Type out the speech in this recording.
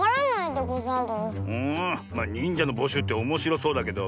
んまあにんじゃのぼしゅうっておもしろそうだけど。